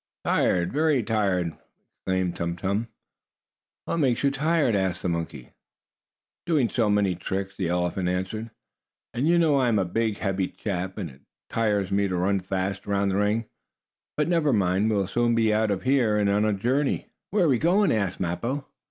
"Tired. Very tired!" exclaimed Tum Tum. "What makes you tired?" asked the monkey. "Doing so many tricks," the elephant answered. "And you know I am a big, heavy chap, and it tires me to run fast around the ring. But never mind, we will soon be out of here, and on a journey." "Where are we going?" asked Mappo.